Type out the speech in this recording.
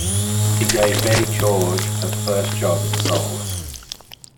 He gave Betty George her first job as a soloist.